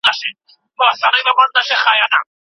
کوم هیواد غواړي ترانزیت نور هم پراخ کړي؟